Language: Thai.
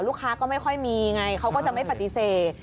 ลูกค้าก็ไม่ค่อยมีไงเขาก็จะไม่ปฏิเสธ